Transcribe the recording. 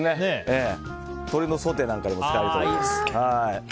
鶏のソテーなんかにも使えると思います。